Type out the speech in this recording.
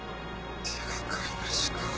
手掛かりなしか。